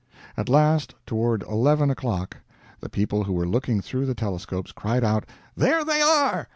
At last, toward eleven o'clock, the people who were looking through the telescopes cried out "There they are!"